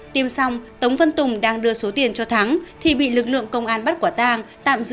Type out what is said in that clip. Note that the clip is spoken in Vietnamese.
tiêm xong tống văn tùng đang đưa số tiền cho thắng thì bị lực lượng công an bắt quả tang tạm giữ